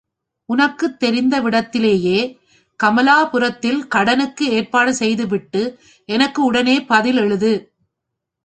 உனக்குத் தெரிந்தவிடத்திலேயே, கமலாபுரத்தில் கடனுக்கு ஏற்பாடு செய்துவிட்டு, எனக்கு உடனே பதில் எழுது.